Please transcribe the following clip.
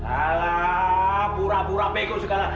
alah pura pura pego segala